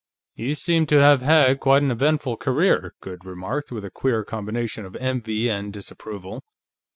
"You seem to have had quite an eventful career," Goode remarked, with a queer combination of envy and disapproval.